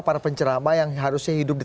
para pencerama yang harusnya hidup di